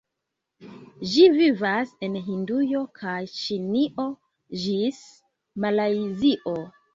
Ĝi vivas en Hindujo kaj Ĉinio ĝis Malajzio.